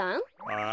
あ？